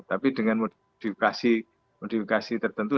tapi dengan modifikasi modifikasi tertentu